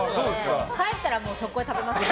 帰ったら速攻で食べますよ。